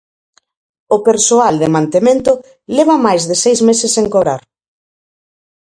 O persoal de mantemento leva máis de seis meses sen cobrar.